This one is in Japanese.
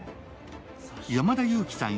山田裕貴さん